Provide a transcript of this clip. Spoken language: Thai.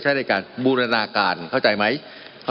มันมีมาต่อเนื่องมีเหตุการณ์ที่ไม่เคยเกิดขึ้น